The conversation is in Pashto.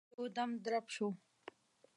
يودم درب شو.